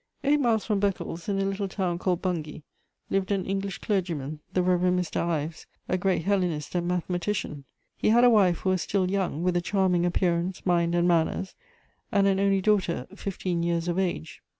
Eight miles from Beccles, in a little town called Bungay, lived an English clergyman, the Rev. Mr. Ives, a great Hellenist and mathematician. He had a wife who was still young, with a charming appearance, mind and manners, and an only daughter, fifteen years of age.